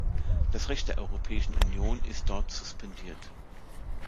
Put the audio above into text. Das Recht der Europäischen Union ist dort suspendiert.